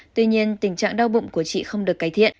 tuy nhiên tình trạng đau bụng của chị không được cải thiện